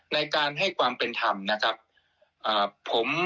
ในการให้ความเป็นธรรม